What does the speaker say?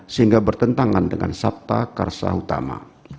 sehingga bertentangan dengan sabta karsa utama